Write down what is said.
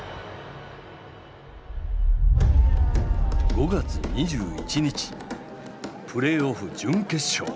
５月２１日プレーオフ準決勝。